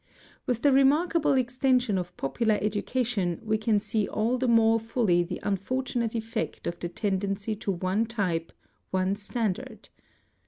With the remarkable extension of popular education we can see all the more fully the unfortunate eflFect of the ten dency to one type, one standard.